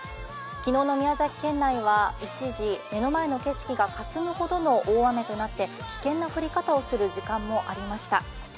昨日の宮崎県内は一時、目の前の景色がかすむほど危険な降り方をする時間もありました。